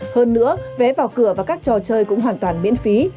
hơn nữa vé vào cửa và các trò chơi cũng hoàn toàn miễn phí